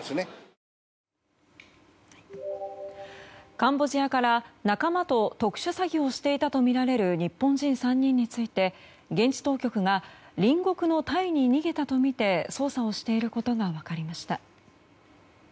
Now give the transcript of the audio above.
カンボジアから仲間と特殊詐欺をしていたとみられる日本人３人について、現地当局が隣国のタイに逃げたとみて捜査をしていることが分かりました。